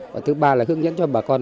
và thứ ba là hướng dẫn cho bà con